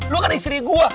lu kan istri gua